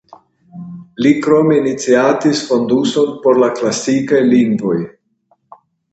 Li krome iniciatis fonduson por la klasikaj lingvoj.